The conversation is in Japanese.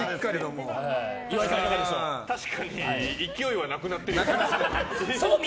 確かに勢いはなくなってるよね。